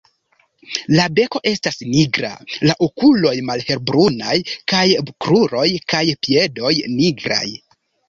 La beko estas nigra, la okuloj malhelbrunaj kaj kruroj kaj piedoj nigraj.